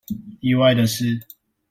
意外的是